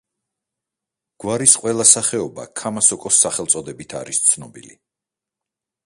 გვარის ყველა სახეობა ქამასოკოს სახელწოდებით არის ცნობილი.